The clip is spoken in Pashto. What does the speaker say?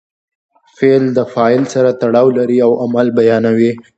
فعل د فاعل سره تړاو لري او عمل بیانوي.